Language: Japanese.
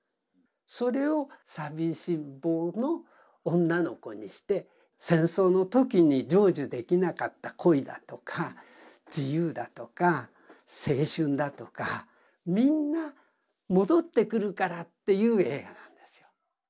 それを「さびしんぼう」の女の子にして戦争の時に成就できなかった恋だとか自由だとか青春だとかみんな戻ってくるからっていう映画なんですよ。